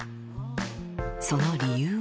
その理由は。